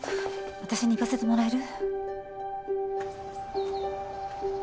私に行かせてもらえる？